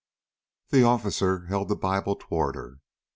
The officer held the Bible toward her.